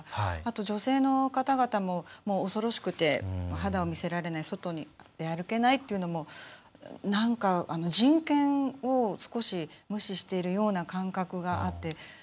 女性の方々も恐ろしくて、肌を見せられない外に出歩けないというのも何か人権を少し無視しているような感覚があって。